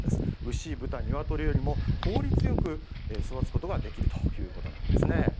牛、豚、ニワトリよりも、効率よく育つことができるということなんですね。